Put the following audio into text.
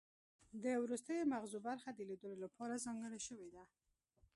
د وروستیو مغزو برخه د لیدلو لپاره ځانګړې شوې ده